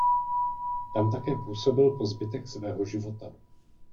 Tam také působil po zbytek svého života.